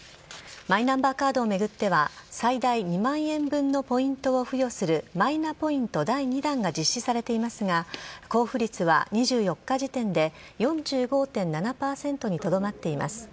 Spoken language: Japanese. マイナンバーカードを巡っては最大２万円分のポイントを付与するマイナポイント第２弾が実施されていますが交付率は２４日時点で４５．７％にとどまっています。